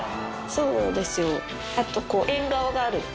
そうですよ。